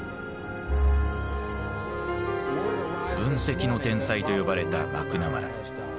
分析の天才と呼ばれたマクナマラ。